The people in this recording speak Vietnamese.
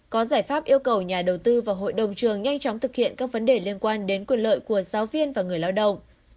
có giải pháp yêu cầu nhà đầu tư và hội đồng trường nhanh chóng thực hiện các vấn đề liên quan đến quyền lợi của giáo viên và người lao động